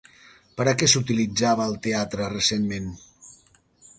Per a què s'utilitzava el teatre recentment?